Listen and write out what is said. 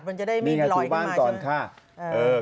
มันจะได้มีลอยขึ้นมาใช่ไหม